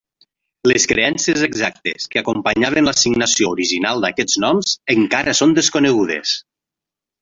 Les creences exactes que acompanyaven l'assignació original d'aquests noms encara són desconegudes.